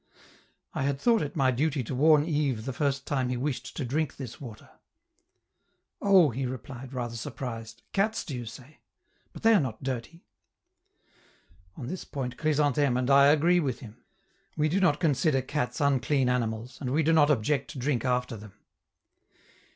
I had thought it my duty to warn Yves the first time he wished to drink this water. "Oh!" he replied, rather surprised, "cats, do you say? But they are not dirty!" On this point Chrysantheme and I agree with him: we do not consider cats unclean animals, and we do not object to drink after them.